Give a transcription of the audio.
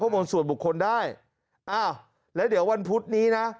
ข้อมูลส่วนบุคคลได้แล้วเดี๋ยววันพุธนี้นะ